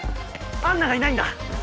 アンナがいないんだ！